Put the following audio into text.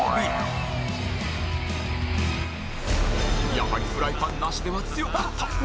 やはりフライパンなしでは強かった